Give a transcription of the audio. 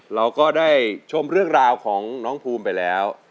เราก็ได้ชมเรื่องราวของน้องภูมิไปแล้ว